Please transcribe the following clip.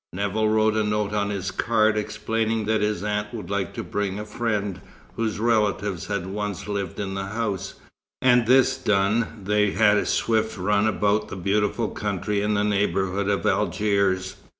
Nevill wrote a note on his card, explaining that his aunt would like to bring a friend, whose relatives had once lived in the house; and this done, they had a swift run about the beautiful country in the neighbourhood of Algiers.